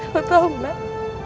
kau tahu mak